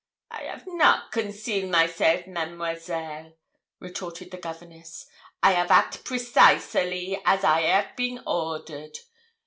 'I 'av not conceal myself, Mademoiselle,' retorted the governness. 'I 'av act precisally as I 'av been ordered.